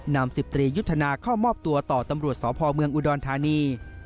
สิบตรียุทธนาเข้ามอบตัวต่อตำรวจสพเมืองอุดรธานี